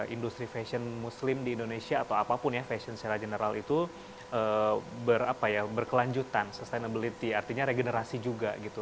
industri fashion muslim di indonesia atau apapun ya fashion secara general itu berkelanjutan sustainability artinya regenerasi juga gitu